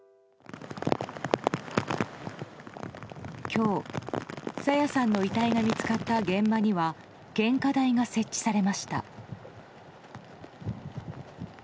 今日、朝芽さんの遺体が見つかった現場には献花台が設置されました。